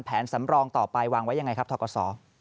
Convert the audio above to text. แผนสำรองต่อไปวางไว้อย่างไรครับทรกษอ